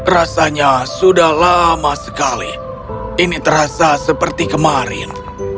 rasanya sudah lama sekali ini terasa seperti kemarin